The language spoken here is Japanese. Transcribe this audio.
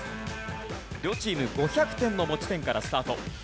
両チーム５００点の持ち点からスタート。